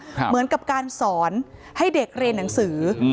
เหมือนกับการสอนให้เด็กเรียนหนังสือ